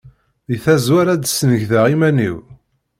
Deg tazwara ad d-snekdeɣ iman-iw.